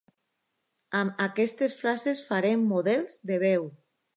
Amb aquestes frases farem models de veu.